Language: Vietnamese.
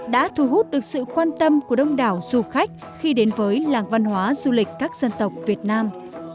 đã thu hút được sự quan tâm của đông đảo du khách khi đến với làng văn hóa du lịch các dân tộc việt nam